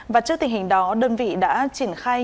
và trước tình hình đó đơn vị đã triển khai